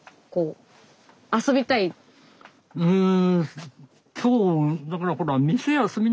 うん。